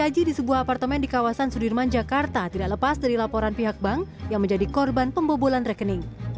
gaji di sebuah apartemen di kawasan sudirman jakarta tidak lepas dari laporan pihak bank yang menjadi korban pembobolan rekening